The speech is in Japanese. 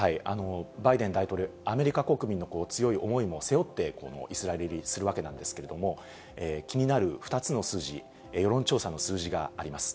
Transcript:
バイデン大統領、アメリカ国民の強い思いも背負って、このイスラエル入りするわけなんですけれども、気になる２つの数字、世論調査の数字があります。